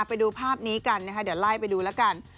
ไปดูภาพนี้กันนะคะเดี๋ยวไล่ไปดูแล้วกัน